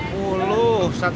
mas pur baik bisa sta